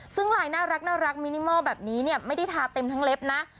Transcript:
ซึ่งลายน่ารักมินิมอลแบบนี้เนี่ยไม่ได้ทาเต็มทั้งเล็บนะ